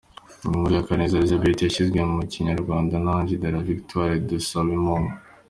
Ni inkuru ya Kaneza Elisabeth yashyizwe mu Kinyarwanda na Ange de la Victoire Dusabemungu.